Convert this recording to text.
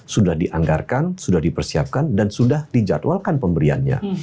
sudah dianggarkan sudah dipersiapkan dan sudah dijadwalkan pemberiannya